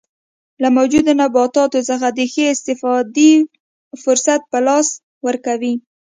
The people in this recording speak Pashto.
له موجوده نباتاتو څخه د ښې استفادې فرصت په لاس ورکوي.